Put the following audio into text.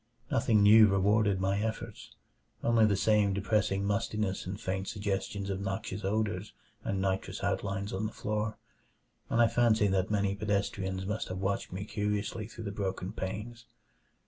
Nothing new rewarded my efforts only the same depressing mustiness and faint suggestions of noxious odors and nitrous outlines on the floor and I fancy that many pedestrians must have watched me curiously through the broken panes.